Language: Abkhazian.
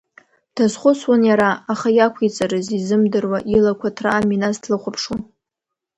Дазхәыцуан иара, аха иақәиҵарыз изымдыруа, илақәа ҭраа Миназ длыхәаԥшуан.